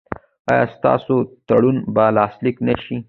ایا ستاسو تړون به لاسلیک نه شي؟